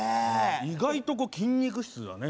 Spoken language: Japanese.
意外とこう筋肉質だね